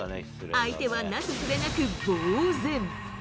相手はなすすべなく、ぼう然。